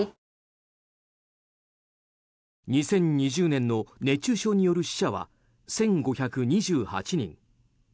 ２０２０年の熱中症による死者は１５２８人。